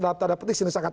dalam tanda petik